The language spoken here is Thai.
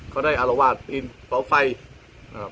เขาได้อารวาดปีนเฝาไฟนะครับ